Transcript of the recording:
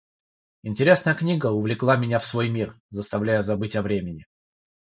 Интересная книга увлекла меня в свой мир, заставляя забыть о времени.